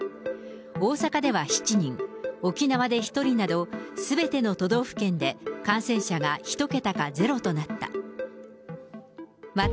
大阪では７人、沖縄で１人など、すべての都道府県で感染者が１桁かゼロとなった。